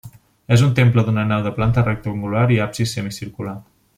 És un temple d'una nau de planta rectangular i absis semicircular.